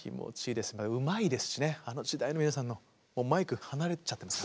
うまいですしねあの時代の皆さんのもうマイク離れちゃってます。